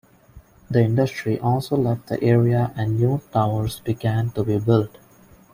The industry also left the area and new towers began to be built.